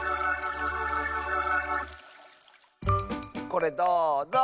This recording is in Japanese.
これどうぞ！